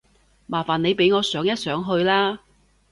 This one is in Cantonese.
麻煩你俾我上一上去啦